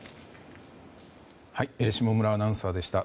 下村アナウンサーでした。